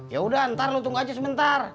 yaudah ntar lo tunggu aja sebentar